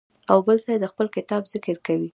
او بل ځای د خپل کتاب ذکر کوي.